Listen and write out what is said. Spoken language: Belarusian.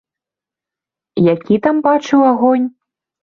Які там бачыў агонь?